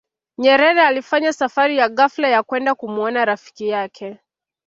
nyerere alifanya safari ya ghafla ya kwenda kumuona rafiki yake